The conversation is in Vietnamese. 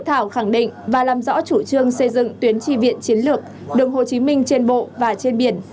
thảo khẳng định và làm rõ chủ trương xây dựng tuyến tri viện chiến lược đường hồ chí minh trên bộ và trên biển